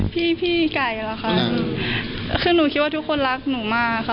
พี่พี่ไก่เหรอคะคือหนูคิดว่าทุกคนรักหนูมากค่ะ